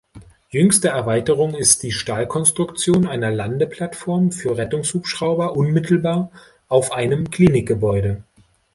Jüngste Erweiterung ist die Stahlkonstruktion einer Landeplattform für Rettungshubschrauber unmittelbar auf einem Klinikgebäude.